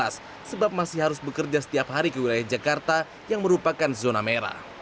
sebab masih harus bekerja setiap hari ke wilayah jakarta yang merupakan zona merah